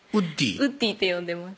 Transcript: ウッディって呼んでます